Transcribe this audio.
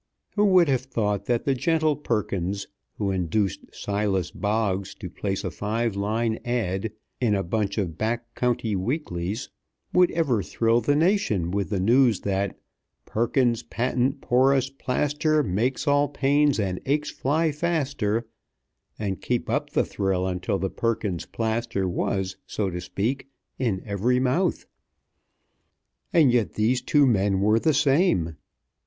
Who would have thought that the gentle Perkins, who induced Silas Boggs to place a five line ad. in a bunch of back county weeklies, would ever thrill the nation with the news that Perkins's Patent Porous Plaster Make all pains and aches fly faster, and keep up the thrill until the Perkins Plaster was so to speak, in every mouth! And yet these two men were the same.